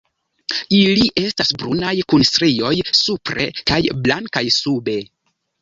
Ili estas brunaj kun strioj supre kaj blankaj sube.